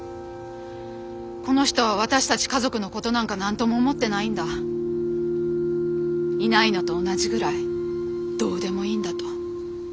この人は私たち家族のことなんか何とも思ってないんだいないのと同じぐらいどうでもいいんだと。